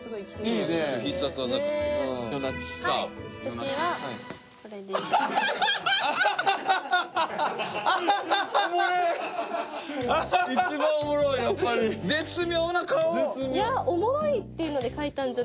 いやおもろいっていうので描いたんじゃ。